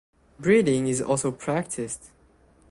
Breeding is also practiced.